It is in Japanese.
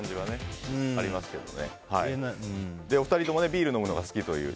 お二人ともビール飲むのが好きという。